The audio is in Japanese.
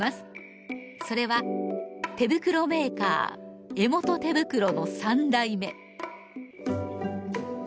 それは手袋メーカー江本手袋の三代目。